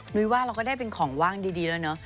นุ้ยว่าเราก็ได้เป็นของว่างดีแล้วเนอะ